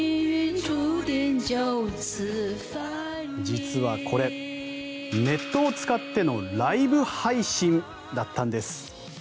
実はこれネットを使ってのライブ配信だったんです。